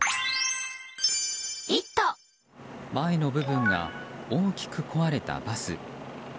前の部分が大きく壊れたバス。